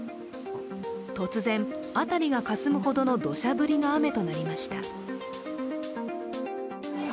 突然、辺りがかすむほどのどしゃ降りの雨となりました。